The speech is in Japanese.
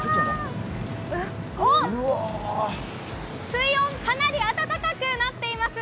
水温、かなり温かくなっています。